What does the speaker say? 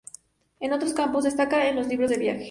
En otros campos, destaca en los libros de viajes.